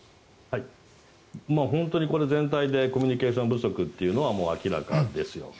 これ、全体でコミュニケーション不足というのは明らかですよ。